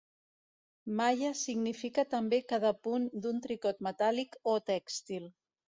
Malla significa també cada punt d'un tricot metàl·lic o tèxtil.